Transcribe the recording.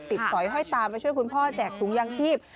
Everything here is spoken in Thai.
สอยห้อยตามไปช่วยคุณพ่อแจกถุงยางชีพ